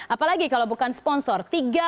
apalagi kalau bukan sponsor